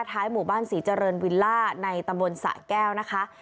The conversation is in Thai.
หมู่บ้านศรีเจริญวิลล่าในตำบลสะแก้วนะคะ